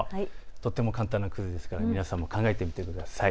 とっても簡単なクイズですから皆さんも考えてみてください。